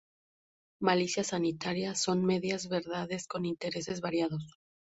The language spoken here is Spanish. Malicia sanitaria son "medias verdades con intereses variados".